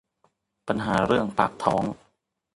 ปัญหาเรื่องปากท้อง